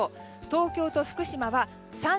東京と福島は３５度。